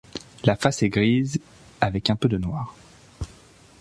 La face est grise avec un peu de noir.